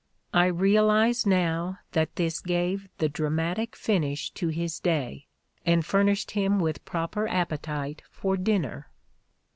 I realize now that this gave the dramatic finish to his day, and furnished him with proper appe tite for his dinner."